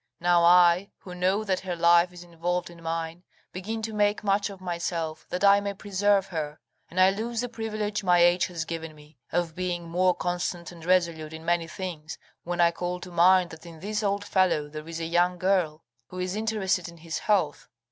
Now I, who know that her life is involved in mine, begin to make much of myself, that I may preserve her. And I lose the privilege my age has given me, of being more constant and resolute in many things, when I call to mind that in this old fellow there is a young girl who is interested in his health.